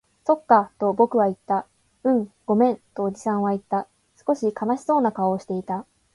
そっか、と僕は言った。うん、ごめん、とおじさんは言った。少し悲しそうな顔をしていた。